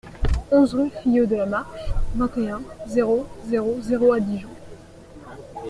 onze rue Fyot de la Marche, vingt et un, zéro zéro zéro à Dijon